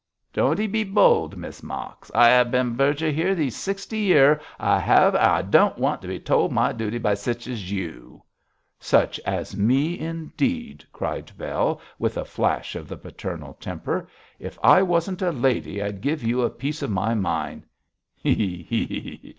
'Don't 'ee be bold, Miss Mosk. I hev bin verger here these sixty year, I hev, an' I don't want to be told my duty by sich as you.' 'Such as me indeed!' cried Bell, with a flash of the paternal temper. 'If I wasn't a lady I'd give you a piece of my mind.' 'He! he!'